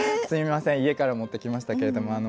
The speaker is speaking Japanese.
すみません家から持ってきましたけれども。